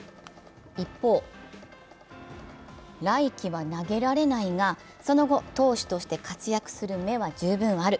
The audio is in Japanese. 一方、来季は投げられないが、その後投手として活躍する芽は十分ある。